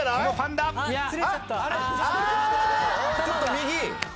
ちょっと右。